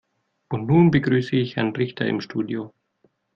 Und nun begrüße ich Herrn Richter im Studio.